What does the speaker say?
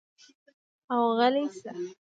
او غلے شۀ ـ